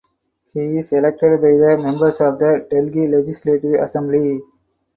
He is elected by the members of the Delhi Legislative Assembly.